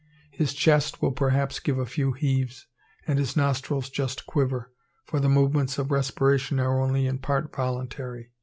His chest will perhaps give a few heaves, and his nostrils just quiver, for the movements of respiration are only in part voluntary.